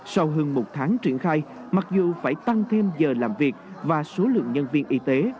sau hơn một tháng triển khai mặc dù phải tăng thêm giờ làm việc và số lượng nhân viên y tế